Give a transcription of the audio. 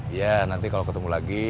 iya nanti kalau ketemu lagi